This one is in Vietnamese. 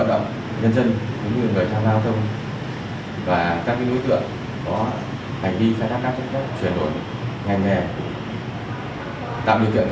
tăng cường công tác